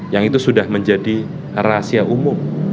yang itu sudah menjadi rahasia umum